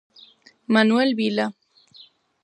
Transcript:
Manuel Vila.